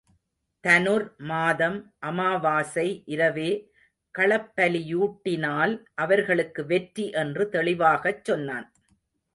தநுர் மாதம் அமாவாசை இரவே களப்பலியூட்டினால் அவர்களுக்கு வெற்றி என்று தெளிவாகச் சொன்னான்.